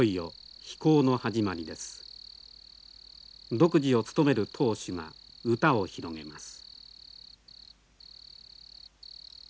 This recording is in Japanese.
読師を務める当主が歌を広げます。